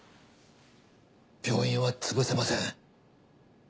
病院は潰せません。